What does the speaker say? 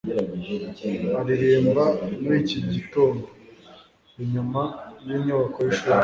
aririmba muri iki gitondo inyuma yinyubako yishuri